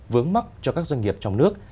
vướng mắc cho các doanh nghiệp trong nước